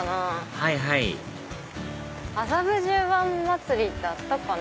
はいはい麻布十番祭りってあったかな？